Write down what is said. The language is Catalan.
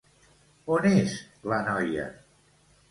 On és la noia?